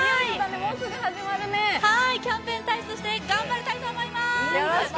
はーい、キャンペーン大使として頑張りたいと思いまーす！